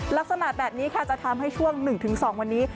ลักษณะแบบนี้ค่ะจะทำให้ช่วง๑๒วันนี้